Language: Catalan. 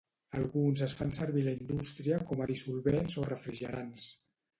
Alguns es fan servir a la indústria com a dissolvents o refrigerants.